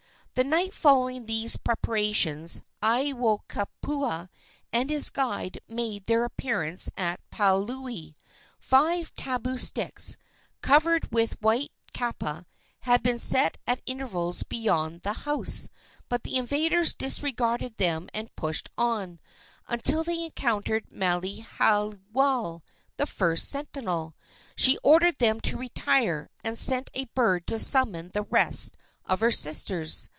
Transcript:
The night following these preparations Aiwohikupua and his guide made their appearance at Paliuli. Five tabu sticks, covered with white kapa, had been set at intervals beyond the house; but the invaders disregarded them and pushed on, until they encountered Maile haiwale, the first sentinel. She ordered them to retire, and sent a bird to summon the rest of her sisters.